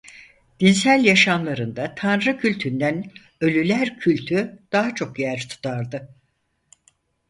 Dinsel yaşamlarında tanrı kültünden ölüler kültü daha çok yer tutardı.